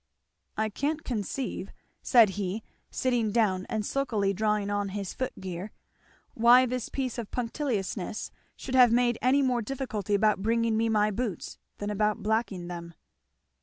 "I can't conceive," said he, sitting down and sulkily drawing on his foot gear, "why this piece of punctiliousness should have made any more difficulty about bringing me my boots than about blacking them."